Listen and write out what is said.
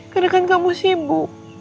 kadang kamu sibuk